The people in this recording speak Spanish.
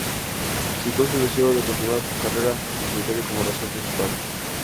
Citó su deseo de continuar su carrera en solitario como razón principal.